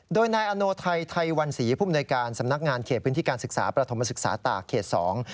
โดยนายอโนไทยไทยวันศรีภูมิในการสำนักงานเขตพื้นที่การศึกษาประถมศึกษาตากเขตสอง